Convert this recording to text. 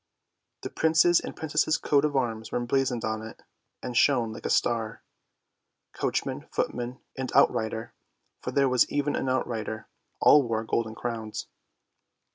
The Prince's and Princess's coat of arms were emblazoned on it, and shone like a star. Coachman, footman, and outrider, for there was even an outrider, all wore golden crowns.